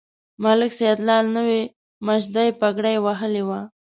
ملک سیدلال نوې مشدۍ پګړۍ وهلې وه.